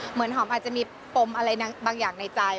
เหมือนหอมอาจจะมีปมอะไรบางอย่างในใจ